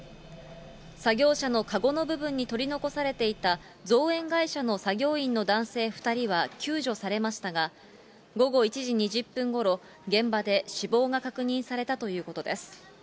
作業車の籠の部分に取り残されていた造園会社の作業員の男性２人は救助されましたが、午後１時２０分ごろ、現場で死亡が確認されたということです。